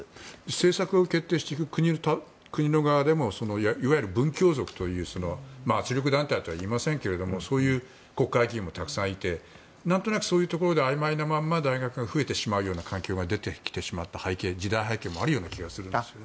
政策を決定していく国の側でもいわゆる文教族という圧力団体とはいいませんがそういう国会議員もたくさんいて何となくそういうところであいまいなまま大学が増えていってしまうような環境が出てきてしまった時代背景もあるような気がするんですよね。